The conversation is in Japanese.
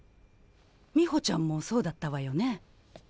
美穂ちゃんもそうだったわよね？